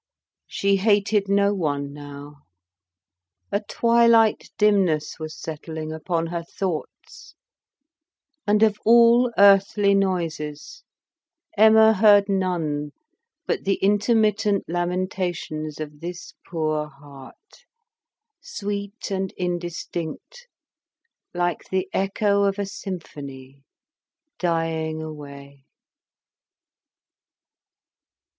She hated no one now; a twilight dimness was settling upon her thoughts, and, of all earthly noises, Emma heard none but the intermittent lamentations of this poor heart, sweet and indistinct like the echo of a symphony dying away.